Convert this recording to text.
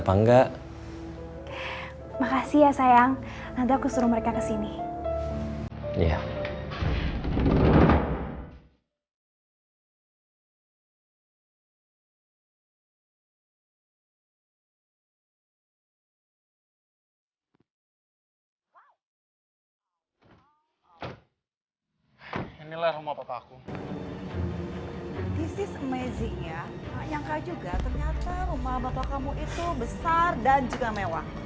yang kaya juga ternyata rumah bapak kamu itu besar dan juga mewah